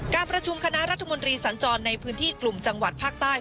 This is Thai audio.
การประชุมคณะรัฐมนตรีสัญจรในพื้นที่กลุ่มจังหวัดภาคใต้